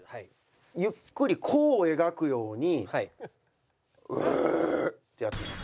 ゆっくり弧を描くように「オエーッ！」ってやってみて。